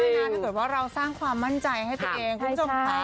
ถ้าเกิดว่าเราสร้างความมั่นใจให้ตัวเองคุณผู้ชมค่ะ